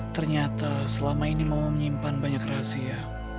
ternyata selama ini mau menyimpan banyak rahasia